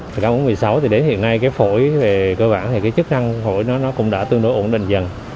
trong bệnh viện phổi đà nẵng đến hiện nay cái phổi về cơ bản thì cái chức năng phổi nó cũng đã tương đối ổn định dần